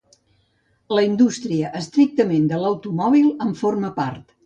La indústria, estrictament, de l'automòbil en forma part.